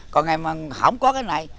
còn ngày mà không có cái này